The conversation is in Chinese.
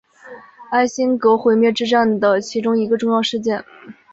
艾辛格毁灭之战的其中一个重要事件。